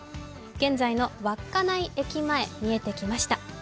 現在の稚内駅前、見えてきました。